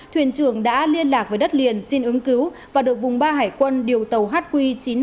thuyền trường đã liên lạc với đất liền xin ứng cứu và được vùng ba hải quân điều tàu hq chín trăm năm mươi hai